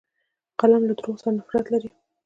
قلم له دروغو سره نفرت لري